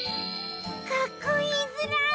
かっこいいズラ。